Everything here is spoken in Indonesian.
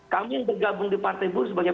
kami yang bergabung di partai buruh sebagai